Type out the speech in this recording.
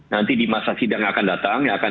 nanti di masa sidang yang akan datang yang akan